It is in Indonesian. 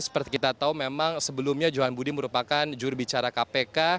seperti kita tahu memang sebelumnya johan budi merupakan jurubicara kpk